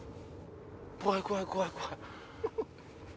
怖い怖い怖い怖い。